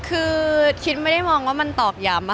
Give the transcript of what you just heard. คือคิดไม่ได้มองว่ามันตอกย้ำ